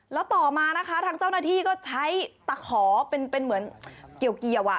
แล้วต่อมานะคะทางเจ้าหน้าที่ก็ใช้ตะขอเป็นเหมือนเกี่ยว